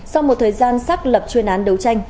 sau một thời gian xác lập chuyên án đấu tranh